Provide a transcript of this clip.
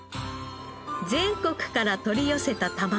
全国から取り寄せたたまご